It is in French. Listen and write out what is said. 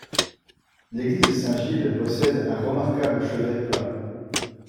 L'église Saint-Gilles possède un remarquable chevet plat.